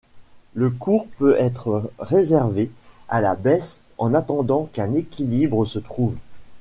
Le cours peut être réservé à la baisse en attendant qu'un équilibre se trouve.